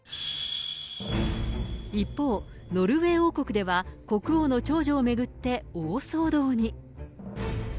一方、ノルウェー王国では、国王の長女を巡って、大騒動に。